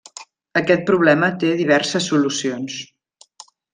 Aquest problema té diverses solucions.